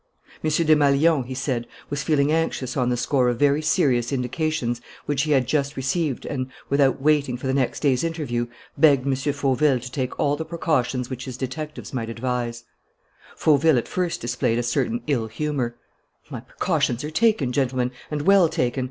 M. Desmalions, he said, was feeling anxious on the score of very serious indications which he had just received and, without waiting for the next day's interview, begged M. Fauville to take all the precautions which his detectives might advise. Fauville at first displayed a certain ill humour. "My precautions are taken, gentlemen, and well taken.